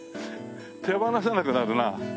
手放せなくなるなあ。